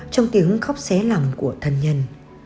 trong tiếng khóc xé lòng của thân nhân